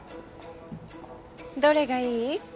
どれがいい？